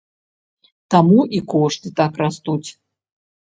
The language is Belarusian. Таму і кошты так растуць.